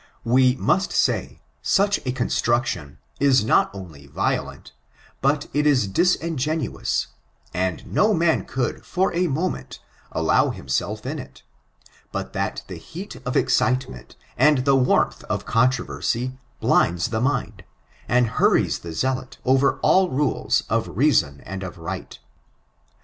We must say, such a construction is not only violent, but it is disiu genuous; and no man could, for a moment, allow himself in it, but that the heat of excitement, and the warmth of controversy, blinds the mind, and hurries the zealot over all rules of reason and of right.